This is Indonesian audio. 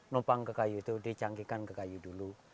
numpang ke kayu itu dicangkikan ke kayu dulu